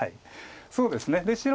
そうですね白も。